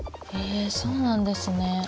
へえそうなんですね。